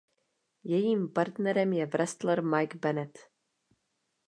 Jejím partnerem je wrestler Mike Bennett.